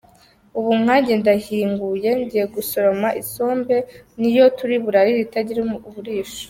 Ubu nkajye ndahinguye ngiye gusoroma isombe ni yo turi burarire itagira uburisho.